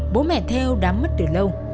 bố mẹ thêu đã mất từ lâu